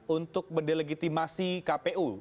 untuk delegitimasi kpu